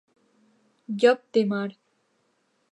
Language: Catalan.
Llop de mar.